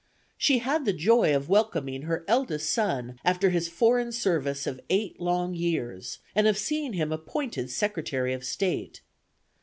She had the joy of welcoming her eldest son, after his foreign service of eight long years, and of seeing him appointed Secretary of State.